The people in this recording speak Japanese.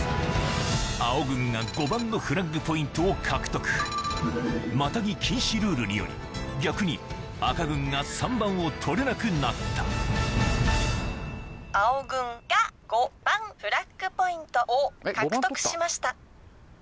青軍が５番のフラッグポイントを獲得またぎ禁止ルールにより逆に赤軍が３番を取れなくなった青軍が５番フラッグポイントを獲得しました。